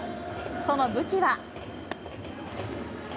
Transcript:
その武器は。